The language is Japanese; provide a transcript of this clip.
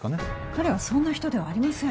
彼はそんな人ではありません